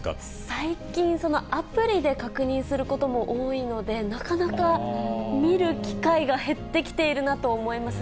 最近、アプリで確認することも多いので、なかなか見る機会が減ってきているなと思います。